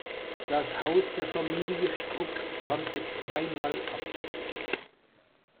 Das Haus der Familie Struck brannte zweimal ab.